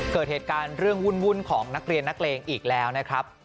เกิดเหตุการณ์เรื่องวุ่นของนักเรียนนักเลงอีกแล้วนะครับ